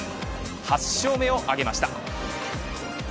８勝目を挙げました。